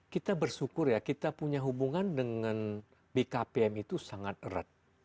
kita bersyukur ya kita punya hubungan dengan bkpm itu sangat erat